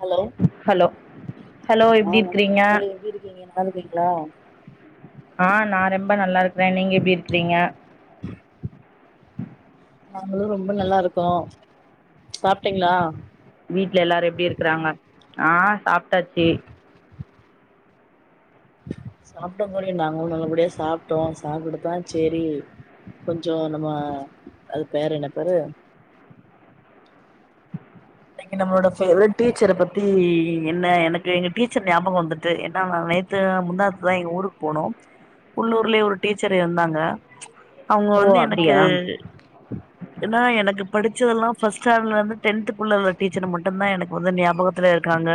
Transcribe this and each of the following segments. Hello hello hello எப்டி ஆஹ இருக்கிறீங்க வணக்கம் தோழி எப்படி இருக்கீங்க நல்லா இருக்கீங்களா. ஆஹ நான ரொம்ப நல்லா இருக்குற நீங்க எப்படி இருக்கிறீங்க. நாங்களும் ரொம்ப நல்லா இருக்கோம். சாப்ட்டீங்களா. வீட்ல எல்லாரு எப்படி இருக்குறாங்க. ஆஹ சாப். டாச்சி. சாப்பிட்ட கூடிய நாங்களும் நல்லபடியா சாப்ட்டோம் சாப்பிட்டுதா சேரி கொஞ்சோ நம்ம அது பேரு என்ன பேரு. இன்னிக்கு நம்மளோட பேவரட் டீச்சர பத்தி என்ன எனக்கு எங்க டீச்சர் ஞாபகம் வந்துட்டு ஏன்னா நா நேத்து முந்தாத்துதா எங்க ஊருக்கு போனோ. உள்ளூர்லயே ஒரு டீச்சர் இருந்தாங்க ம்ச். அவங்க ஓ வந்து எனக்கு அப்டியா ஏன்னா எனக்கு படிச். படிச்சதெல்லா ஃபஸ்ட்டு ஸ்டேன்டடுல இருந்து டென்த். உள்ளல்ல டீச்சர் மட்டும் தா எனக்கு வந்து ஞாபகத்துல இருக்காங்க.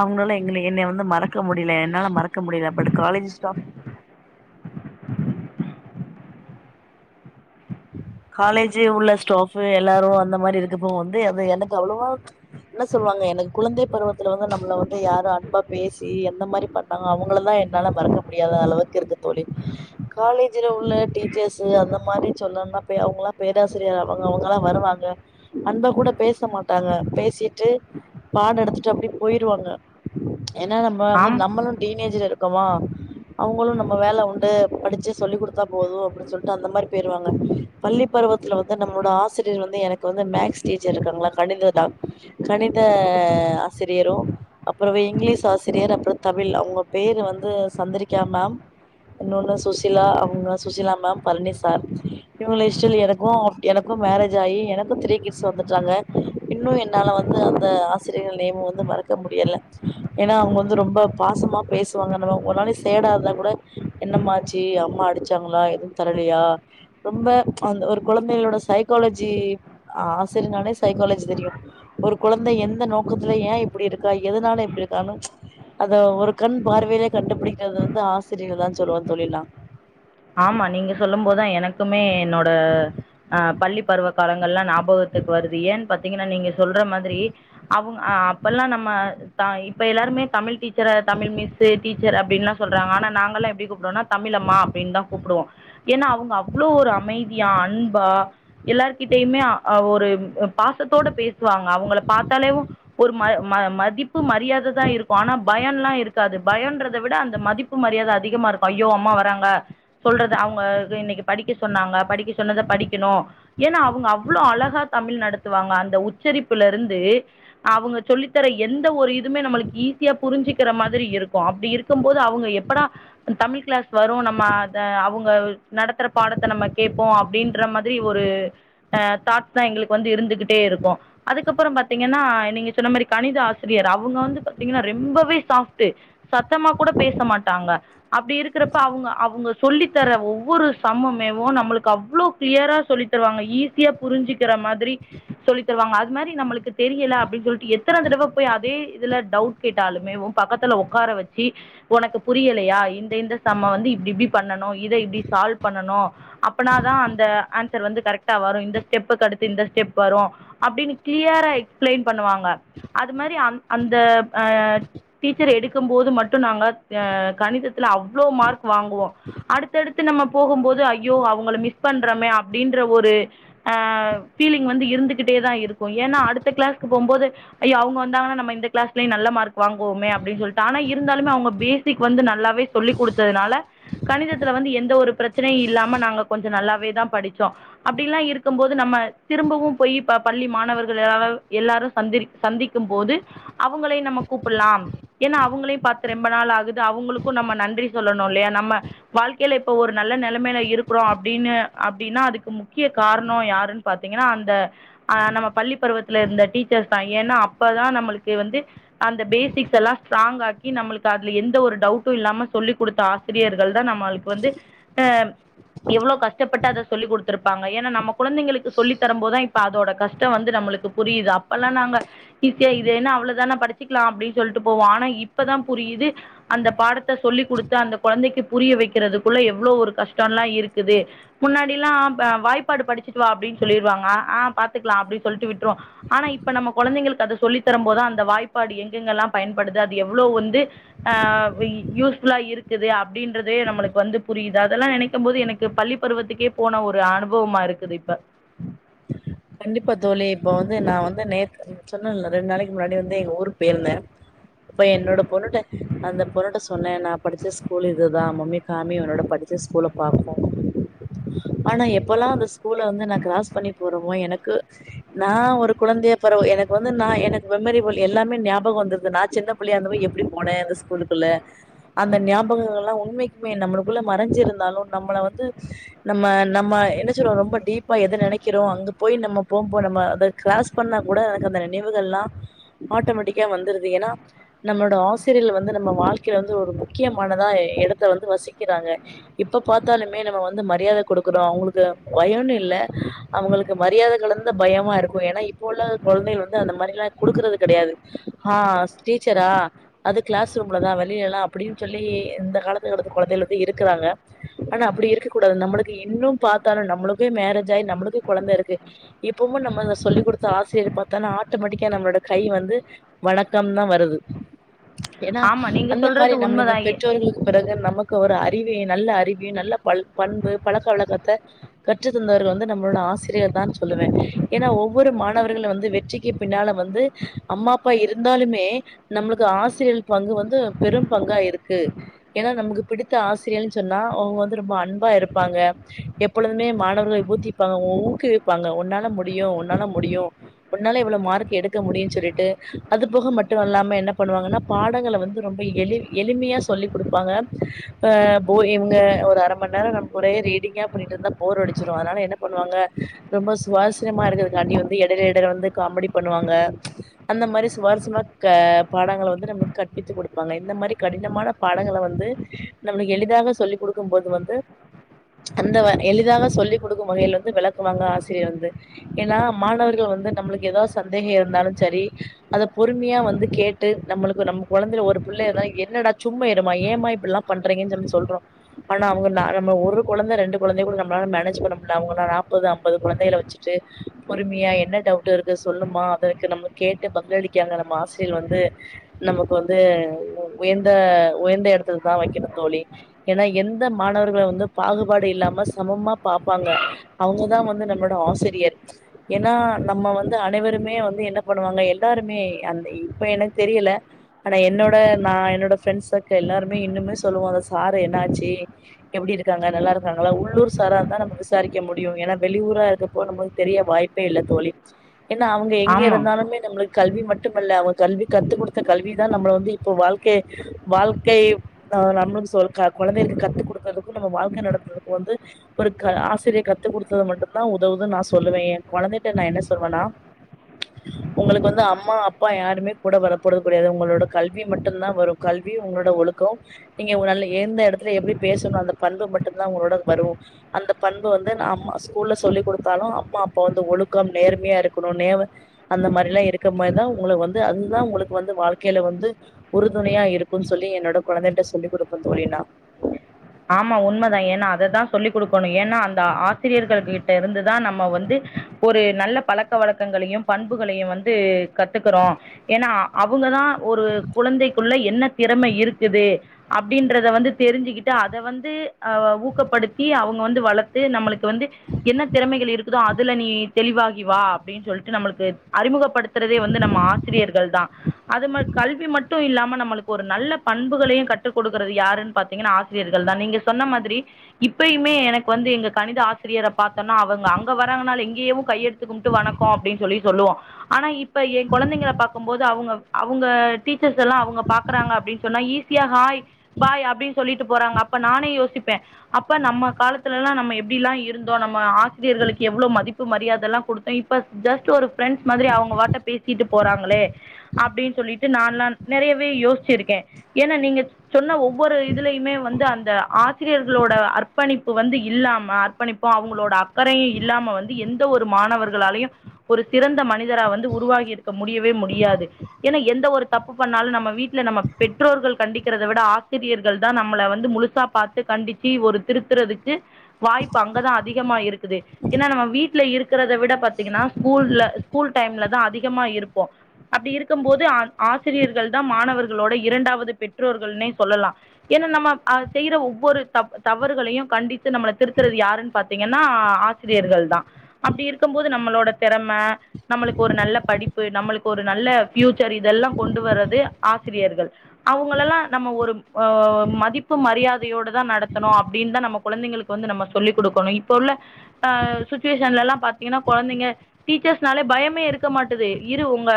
அவங்களால எங்கள என்னைய வந்து மறக்க முடியல என்னால மறக். க்க முடியல பட் காலேஜ் ஸ்டாப். காலேஜ் உள்ள ஸ்டாப் எல்லாரு அந்த மாரி இருக்குப்போ வந்து அது எனக்கு அவ்வளவா ம்ச். என்ன சொல்லுவாங்க எனக்கு குழந்தை பருவத்துல வந்து நம்மள வந்து யாரும் அன்பா பேசி எந்த மாரி பண்ணாங்க அவங்களதாஎன்னால மறக்க முடியாத அளவுக்கு இருக்கு தோழி காலேஜ் உள்ள டீச்சர்ஸ் அந்த மாரி. சொல்லுனும்னா அவங்கல்லா பேராசிரியர் அவங்க அவங்கல்லாம் வருவாங்க அன்பா கூட பேச மாட்டாங்க. பேசிட்டு பாட எடுத்துட்டு அப்படியே போயிருவாங்க ம்ச். ஏன்னா நம்ம வந்து ஆம் நம்மளும் டீனேஜுல. க்கவு அவங்களும் நம்ம வேல உண்டு படிச்சு சொல்லி்ன கொடுத்தா போது அப்படின்னு சொல்லிட்டு அந்த மாரி. போயிருவாங்க பள்ளி பருவத்துல வந்து நம்மளோட ஆசிரியர் வந்து எனக்கு வந்து மேக்ஸ் டீச்சர் இருக்காங்களா கணிததா. கணித ஆசிரியரும் அப்புறோ இங்கிலீஷ் ஆசிரியர் அப்புறோ தமிழ் அவங்க பேரு வந்து சந்திரிகா மேம் இன்னொன்னு சுசிலா அவங்க சுசிலா மேம் பழனி. சார் இவங்க இஷ்டில எனக்கு எனக்கு மேரேஜ் ஆகி எனக்கு த்ரீ கிட்ஸ் வந்துட்டாங்க இன்னும் என்னால வந்து அந்த ஆசிரியர்கள் நேம வந்து மறக்க முடிய. ல ஏன்னா அவங்க வந்து ரொம்ப பாசமா பேசுவாங்க நம்ம ஒரு நாளைக்கு சேடா இருந்தா கூட என்னம்மா ஆச்சு அம்மா அடிச்சாங்களா எதுவும் தரலையா. ரொம்ப அந்த ஒரு குழந்தைகளோட சைக்காலஜி ஹ ஆசிரனாலே சைக்காலஜி தெரியு ஒரு குழந்தை எந்த நோக்கத்துல ஏ இப்படி இருக்கா எதனால இப்படி இருக்கானு. ம்ச் அத ஒரு கண் பார்வையிலயே கண்டுபிடிக்கிறது வந்து ஆசிரியர் தான் சொல்லுவன் தோழி நா. க்குமே என்னோட ஹ பள்ளி பருவ. காலங்கள்லா ஞாபகத்துக்கு வருது ஏன்னா பாத்தீங்கன்னா நீங்க. சொல்ற மாதிரி அவங். ஆஹ அப்போல்லா நம்ம த இப்போ எல்லோருமே தமிழ் டீச்சர தமிழ் மிஸ்ஸு டீச்சர் அப்படின்லா சொல்றாங்க ஆனா நாங்கள்லா எப்படி கூப்புடுவோனா தமிழம்மா. அப்படின்னுதா கூப்புடுவோ. ஏன்னா அவங்க அவ்வளோ ஒரு அமைதியா அன்பா எல்லார்கிட்டயுமே ஒரு பாசத்தோட பேசுவாங்க அவங்கள பாத்தாலேவு ஒரு மதிப்பு மரியாததா இருக்கு ஆனா பயன் எல்லா இருக்காது பயம்றதவிட அந்த மதிப்பு மரியாத அதிகமா இருக்கு ஐயோ அம்மா வராங்க. சொல்றது அவுங்க இன்னக்கி படிக்க சொன்னாங்க படிக்க சொன்னத படிக்கணு ஏனா அவுங்க அவ்ளொ அழகா தமிழ் நடத்துவாங்க அந்த உச்சரிப்புலருந்து அவுங்க சொல்லித்தர எந்த ஒரு இதுமே நம்மளுக்கு ஈஸியா புரிஞ்சுக்குற மாதிரி இருக்கு அப்டி இருக்கும்போது அவுங்க எப்படா தமிழ் க்ளாஸ் வரு நம்ம த அவுங்க நடத்துற பாடத்த நம்ம கேப்போ அப்டின்ற மாதிரி ஒரு அ தாட்ஸ் தா எங்களுக்கு வந்து இருந்துகிட்டே இருக்கு அதுக்கப்பறோ பாத்தீங்கன்னா நீங்க சொன்ன மாரி கணித ஆசிரியர் அவுங்க வந்து பாத்தீங்கனா ரெம்பவே சாஃப்ட்டு சத்தமா கூட பேச மாட்டாங்க அப்டி இருக்குறப்ப அவுங்க அவுங்க சொல்லித்தர ஒவ்வொரு சம்முமேவு நம்மளுக்கு அவ்ளோ க்ளியரா சொல்லி தருவாங்க ஈஸியா புரிஞ்சுக்குற மாதிரி சொல்லித்தருவாங்க அது மாரி நம்மளுக்கு தெரியல அப்டின் சொல்ட்டு எத்தன தடவ போய் அதே இதுல டவுட் கேட்டாலுமேவு பக்கத்துல ஒக்கார வச்சி உனக்கு புரியலையா இந்த இந்த சம்ம வந்து இப்டி இப்டி பண்ணுனு இத இப்டி சால்வ் பண்ணனு அப்பனாதா அந்த ஆன்ஸர் வந்து கரெக்டடா வரு இந்த ஸ்டெப்புக்கடுத்து இந்த ஸ்டெப் வரு அப்டினு க்ளியரா எக்ஸ்ப்ளைன் பண்ணுவாங்க அதுமாரி அந் அந்த அ டீச்சர் எடுக்கும் போது மட்டு நாங்க கணிதத்துல அவ்ளோ மார்க் வாங்குவோ அடுத்தடுத்து நம்ம போகும்போது ஐயோ அவுங்கள மிஸ் பண்றமே அப்டின்ற ஒரு ஆ ஃபீலிங் வந்து இருந்துகிட்டே தா இருக்கு ஏன்னா அடுத்த க்ளாஸ்க்கு போம்போது ஐயோ அவுங்க வந்தாங்கனா நம்ம இந்த க்ளாஸ்லயு நல்ல மார்க் வாங்குவோமே அப்டின் சொல்ட்டு ஆனா இருந்தாலுமே அவுங்க பேசிக் வந்து நல்லாவே சொல்லி் குடுத்ததுனால கணிதத்துல வந்து எந்த ஒரு பிரச்சனையு இல்லாம நாங்க கொஞ்ச நல்லாவே தா படிச்சோ அப்டில்லா இருக்கும் போது நம்ம திரும்பவு போய் இப்ப பள்ளி மாணவர்கள் எல்லாரு சந்திர் சந்திக்கும் போது அவுங்களையு நம்ம கூப்புல்லா ஏன்னா அவுங்களையு பாத்து ரெம்ப நாள் ஆகுது அவுங்களுக்கு நம்ம நன்றி சொல்லணு இல்லையா நம்ம வாழ்க்கைல இப்ப ஒரு நல்ல நெலைமைல இருக்கிறோ அப்டின்னு அப்டின்னா அதுக்கு முக்கிய காரணொ யாருன் பாத்தீங்கனா அந்த அ நம்ம பள்ளி பருவத்துல இருந்த டீச்சர்ஸ் தா ஏன்னா அப்பதா நம்மளுக்கு வந்து அந்த பேசிக்ஸ் எல்லா ஸ்ட்ராங் ஆக்கி நம்மளுக்கு அதுல எந்த ஒரு டவுட்டு இல்லாம சொல்லிக் குடுத்த ஆசிரியர்கள் மாளுக்கு வந்து அ எவ்ளோ கஷ்டப்பட்டு அத சொல்லி் குடுத்துருப்பாங்க ஏனா நம்ம குழந்தைங்களுக்கு சொல்லி தரும் போதா இப்ப அதோட கஷ்டொ வந்து நம்மளுக்கு புரியிது அப்பல்லா நாங்க ஈஸியா இது என்னா அவ்ளதானா படிச்சிக்லா அப்டி சொல்ட்டு போவோ ஆனா இப்பதா புரியிது அந்த பாடத்த சொல்லிக் குடுத்து அந்த கொழந்தைக்கு புரிய வைக்கிறதுக்குள்ள எவ்ளோ ஒரு கஷ்டொல்லா இருக்குது முன்னாடில்லா வாய்ப்பாடு படிச்சுட்டு வா அப்டின் சொல்லிருவாங்க ஆ பாத்துக்லா அப்டி சொல்லிட்டு விட்ருவோ ஆனா இப்ப நம்ம கொழந்தைகளுக் கது சொல்லித்தரும் போதா அந்த வாய்ப்பாடு எங்கெங்கெல்லா பயன்படுது அது எவ்ளொ வந்து அ யூஸ் ஃபுல்லா இருக்குது அப் டின்றதே நம்மளுக்கு வந்து புரியிது அதெல்லா நெனைக்கும் போது எனக்கு பள்ளி பருவத்துக்கே போன ஒரு அனுபவமா இருக்குது இப்ப கண்டிப்பா தோழி இப்ப வந்து நா வந்து நேத் சொன்னல்ல ரெண்டு நாளைக்கு முன்னாடி வந்து எங்க ஊருக்கு போயிருந்தே அப்ப என்னோட பொண்ணுட்ட அந்த பொண்ணுட்ட சொன்னே நா படிச்ச ஸ்கூல் இதுதா மம்மி காமி உன்னோட படிச்ச ஸ்கூல பாப்போ ஆனா எப்பல்லா அந்த ஸ்கூல வந்து நா கிராஸ் பண்ணி போறோ ஓ எனக்கு நா ஒரு குழந்தைய பறவு எனக்கு வந்து நா எனக்கு மெமரிபிள் எல்லாமே ஞாபகொ வந்துருது நா சின்ன பிள்ளையா இருந்த போ எப்டி போனே அந்த ஸ்கூலுக்குள்ள அந்த ஞாபகங்கள்லா உண்மைக்குமே நம்மளுக்குள்ள மறைஞ்சிருந்தாலு நம்மள வந்து நம்ம நம்ம என்ன சொல்றோ ரொம்ப டீப் பா எது நெனைக்கிறோ அங்க போய் நம்ம போம்போ நம்ம அத க்ராஸ் பண்ணா கூட எனக்கு அந்த நினைவுகள்லா ஆட்டோமேட்டிக்கா வந்துருது ஏனா நம்மளோட ஆசிரியர்கள் வந்து நம்ம வாழ்க்கைல வந்து ஒரு முக்கியமானதா எடத்த வந்து வசிக்கிறாங்க இப்ப பாத்தாலுமே நம்ம வந்து மரியாத குடுக்குறோ அவுங்களுக்கு கு மரியாத கலந்த பயமா இருக்கு‌ ஏனா இப்போ உள்ள கொழந்தைகள் வந்து அந்த மாரிலா குடுக்குறது கெடையாது ஹ டீச்சரா அது க்ளாஸ் ரூம்ல தா வெளியலா அப்புடின் சொல்லி இந்த காலத்துல கொழந்தைகள் வந்து இருக்குறாங்க ஆனா அப்டி இருக்ககூடாது நம்மளுக்கு இன்னும் பாத்தாலு நம்மளுக்குமே மேரேஜ் ஆய் நம்மளு கொழந்த இருக்கு இப்பவும் நம்ம த சொல்லிக் குடுத்த ஆசிரியர பாத்தான்னா ஆட்டோமேட்டிக்கா நம்மளோட கை வந்து வணக்கம் தா வருது ஏனா ஆமா நீங்க அந்த மாரி சொல்றது நம்மளுக்கு உண்மைதான் ஏ பெற்றோர்களுக்கு பிறகு நமக்கு ஒரு அறி வே நல்ல அறிவு நல்ல பல் பண்பு பழக்க வழக்கத்த கற்று தந்தவர்கள் வந்து நம்மளோட ஆச சிரியர் தான் சொல்லுவே ஏனா ஒவ்வொரு மாணவர்களு வந்து வெற்றிக்கு பின்னால வந்து அம்மா அப்பா இருந்தாலுமே நம்மளுக்கு ஆசிரியல் பங்கு வந்து பெரும் பங்கா இருக்கு ஏனா நமக்கு பிடித்த ஆசிரியர்னு சொன்னா அவுங்க வந்து ரொம்ப அன்பா இருப்பாங்க எப்பொழுதுமே மாணவர்கள ஊத்திப்பாங்க ஒவ் க்குவிப்பாங்க உன்னால முடியு உன்னால முடியு உன்னால இவ்வளோ மார்க் எடுக்க முடியுன் சொல்லிட்டு அது போக மட்டு அல்லாம என்ன பண்ணுவாங்க பாடங்கள வந்து ரொம்ப எளி எளிமையா சொல்லி் குடுப்பாங்க ஆ போ இவுங்க ஒரு அர மணி நேர நமக்கு ஒரே ரீடிங்கா பண்ணிட்ருந்தா போர் அடிச்சிரு அதனால என்ன பண்ணுவாங்க ரொம்ப சுவாரசியமா இருக்கதுக்காண்டி வந்து எடைல எடைல வந்து காமெடி பண்ணுவாங்க அந்த மாரி ஸ்வாரஸ்யமா க பாடங்கள வந்து நம்ம கற்பித்து குடுப்பாங்க இந்த மாரி கடினமான பாடங்கள வந்து நம்மளுக்கு எளிதாக சொல்லிக் கொடுக்கும் போது வந்து அந்த எளிதாக சொல்லிக் கொடுக்கும் வகைல வந்து விள க்குவாங்க ஆசரியர் வந்து ஏனா மாணவர்கள் வந்து நம்மளுக்கு எதா சந்தேக இருந்தாலும் செரி அத பொறுமையா வந்து கேட்டு நம்மளுக்கு நம்ம கொழந்தயல ஒரு புள்ள எதா என்னடா சும்மா இருமா ஏமா இப்பில்லா பண்றீங்கன் சொல்லி சொல்றோ ஆனா அவுங்க நம்ள ஒரு கொழந்த ரெண்டு கொழந்தய கூட நம்ளால மேனேஜ் பண்ண முடில அவுங்கள நா ப்பது அம்பது குழந்தைகள வச்சுட்டு பொறுமையா என்ன டவுட் இருக்கு சொல்லுமா அதற்கு நம்ம கேட்டு பதிலளிக்காங்க நம்ம ஆசிரியர் வந்து நமக்கு வந்து உயர்ந்த உயர்ந்த எடத்துல தா வைக்கணு தோழி ஏனா எந்த மாணவர்கள் வந்து பாகுபாடு இல்லாம சமமா பாப்பாங்க அவுங்கதா வந்து நம்ளோட ஆசிரியர் ஏன்னா நம்ம வந்து அனைவருமே வந்து என்ன பண்ணுவாங்க எல்லாருமே அந்த இப்ப எனக்கு தெரியல ஆனா என்னோட நா என்னோட ஃப்ரெண்ட்ஸ்ருக்க எல்லாருமே இன்னுமே சொல்லுவோ அந்த சார் என்னாச்சு எப்டி இருக்காங்க நல்லா இருக்காங்களா உள்ளூர் சாரா இருந்தா நம்ம விசாரி க்க முடியு ஏனா வெளியூரா இருக்கபோ நமக்கு தெரிய வாய்ப்பே இல்ல தோழி ஏன்னா அவுங்க எங்க ஆமா இருந்தாலுமே நம்மளுக் கல்வி மட்டுமல்ல அவுங்க கல்வி கத்து குடுத்த கல்வி தா நம்மள வந்து இப்ப வாழ்க்கை வாழ்க்கைய நம்மளுக்கு சொல் கொழந்தைளுக்கு கத்து குடுக்கறதுக்கு நம்ம வாழ்க்க நடத்துறதுக்கு வந்து ஒரு க ஆசிரியர் கத்து குடுத்தது மட்டுந்தா உதவுதுன் நா சொல்லுவே என் கொழந்தைட்ட நா என்ன சொல்வன்னா உங்களுக்கு வந்து அம்மா அப்பா யாருமே கூட வரப்போறதுகெடியாது உங்களோட கல்வி மட்டுந்தா வரு கல்வி உங்களோட ஒழுக்கம் நீங்க நல்ல எந்த எடத்துல எப்டி பேசணு அந்த பண்பு மட்டுந்தா உங்களோட வரு அந்த பண் ப வந்து நா அம்மா ஸ்கூல்ல சொல்லிக் குடுத்தாலு அம்மா அப்பா வந்து ஒழுக்கம் நேர்மையா இருக்கணு நே அந்த மாரிலா இருக்க மாரிதா உங்கள வந்து அதுதா உங்களுக்கு வந்து வாழ்க்கைல வந்து உறுதுணையா இருக்குன் சொல்லி என்னோட கொழந்தைகள்ட சொல்லிக் குடுப்பன் தோழி நா ஆமா உண்மதா ஏனா அத தா சொல்லி் குடுக்கணு ஏன்னா அந் த ஆசிரியர்கள்கிட்ட இருந்து தா நம் ம வந்து ஒரு நல்ல பழக்க வழக்கங்களையும் பண்புகளையு வந்து கத்துக்குறோ ஏன்னா அவுங்க தா ஒரு குழந்தைக்குள்ள என்ன திறமை இருக்குது அப்டின்றத வந்து தெரிஞ்சுக்கிட் டு அத வந்து அ ஊக்கப்படுத்தி அவுங் வந்து வளர்த்து நம்மளுக்கு வந்து என்ன திறமைகள் இருக் அதுல நீ தெளிவாகி வா அப்படின்னு சொல்லிட்டு நம்மளுக்கு அறிமுகப்படுத்துறதே வந்து நம்ம ஆசிரியர்கள் தான் அது கல்வி மட்டும் இல்லாம நம்மளுக்கு ஒரு நல்ல பண்புகளையும் கட்டுக் கொடுக்கறது யாருன்னு பாத்தீங்கன்னா ஆசி ரியர்தான் நீங்க சொன்ன மாதிரி இப்பயுமே எனக்கு வந்து எங்க கணித ஆசிரியரை பார்த்து அவங்க அங்க வரறங்கனாலே எங்கேயும் கையெடுத்து கும்புட்டு வணக்கம் அப்பின்னு சொல்லி சொல்லுவோம் ஆனா இப் இப்ப ஏ குழந்தைங்க பார்க்கும்போது அவங்க அவங்க டீச்சர்ஸ் எல்லாம் அவங்க பாக்குறாங்க அப்படின்னு சொன்னா ஈஸியா ஹாய் பாய் அப்படின்னு சொல்லிட் போறாங்க அப்ப நானே யோசி ப்பன் அப்ப நம்ம காலத்துல எல்லாம் நம்ம எப்படிலாம் இருந்தோம் நம்ப ஆசிரியர்களுக்கு எவ்வளவு மதிப்பு மரியாதை எல்லாம் கொடுத்தோம் இப்ப ஜஸ்ட் ஒரு பிரெண்ட்ஸ் மாரி அவங்க வாட்டை பேசிட்டு போறாங்களே அப்படின்னு சொல்லிட்டு நான் எல்லாம் நிறையவே யோசிச்சிருக்கேன் ஏன்னா நீங்க சொன்ன ஒவ்வொரு எதுலயுமே வந்து அந்த ஆசிரியர்களோட அர்ப்பணிப்பு வந்து இல்லாம அர்ப்பணிப்பும் அவங்களோட அக்கறையும் இல்லாம வந்து எந்த ஒரு மாணவர்களாலையும் ஒரு சிறந்த மனிதரா வந்து உருவாகி இருக்க முடியவே முடியாது ஏன்னா எந்த ஒரு தப்பு பண்ணாலும் நம்ம வீட்டுல நம்ம பெற்றோர்கள் கண்டிக்கிறத விட ஆசிரியர்கள் நம்ம வந்து முழுசா பார்த்து கண்டிச்சு ஒரு திருத்துறதுக்கு வாய்ப்பு அங்கதான் அதிகமா இருக்குது ஏன்னா நம்ம வீட்டுல இருக்கிறத விட பாத்தீங்கன்னா ஸ்கூல்ல ஸ்கூல் டைம்ல தான் அதிகமா இருப்போம் அப்படி இருக்கும் போது ஆசிரியர்கள் தான் மாணவர்களோட இரண்டாவது பெற்றோர்கள்னே சொல்லலாம் ஏன்னா நம்ம செய்யற ஒவ்வொரு த தவறுகளையும் கண்டிச்சு நம்மள திருத்துறது யாருன்னு பாத்தீங்கன்னா ஆசிரியர்கள் தான் அப்படி இருக்கும் போது நம்மளோட திறமை நம்மளுக்கு ஒரு நல்ல படிப்பு நம்மளுக்கு ஒரு நல்ல பஃயூச்சர் இதெல்லாம் கொண்டு வர்றது ஆசிரியர்கள் அவங்கள எல்லாம் நம்ம ஒரு மதிப்பு மரியாதையோடு தான் நடத்தணும் அப்படின்னு தான் நம்ம குழந்தைங்களுக்கு வந்து நம்ம சொல்லிக் கொடுக்கணும் இப்ப உள்ள் சுச்சுவேஷன்லல்லாம் பா த்தீங்கன்னா குழந்தைங்க டீச்சர்ஸ்னாலே பயமே இருக்க மாட்டது இரு உங்க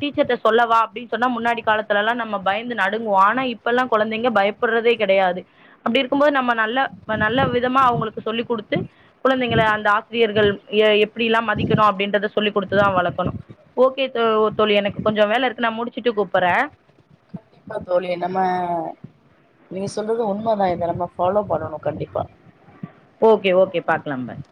டீச்சர்கிட்ட சொல்லவா அப்படின்னு சொன்னா முன்னாடி காலத்துலல்லாம் நம்ப பயந்து நடுங்குவோம் ஆனா இப்பல்லாம் குழந்தைங்க பயப்படுறதே கிடையாது அப்டி இருக்கும்போது நம்ப நல்ல நல்ல விதமா அவங்களுக்கு சொல்லிக் கொடுத்து குழந்தைங்க அந்த ஆசிரியர்கள் எப்படி எல்லாம் மதிக்கணும் அப்படின்றத சொல்லி் கொடுத்துதான் வளர்க்கணும் ஓகே தோழி எனக்கு கொஞ்சம் வேலை இருக்கு நான் முடிச்சுட்டு கூப்பிறேன் கண்டப்பா தோழி நம்ம நீ சொல்றது உண்மைதான் இதை நம்ப ஃபாலோ பண்ணணும் கண்டிப்பா ஓகே ஓகே பாக்கலாம் பாய்